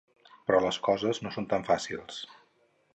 Però les coses no són tan fàcils.